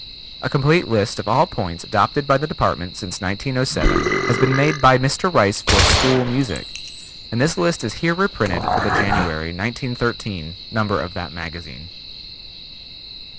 A complete list of all points adopted by the Department since 1907 has been made by Mr. Rice for School Music, and this list is here reprinted from the January, 1913, number of that magazine.